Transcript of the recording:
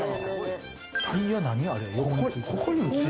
タイヤ何あれ。